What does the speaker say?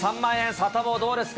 サタボー、どうですか？